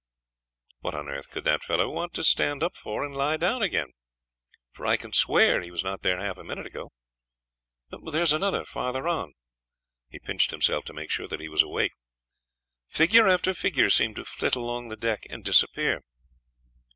"What on earth could that fellow want to stand up for and lie down again? for I can swear he was not there half a minute ago. There is another farther on." He pinched himself to make sure that he was awake. Figure after figure seemed to flit along the deck and disappear.